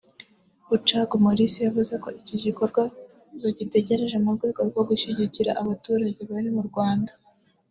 Bucagu Maurice yavuze ko iki gikorwa bagitekereje mu rwego rwo gushyigikira abaturage bari mu Rwanda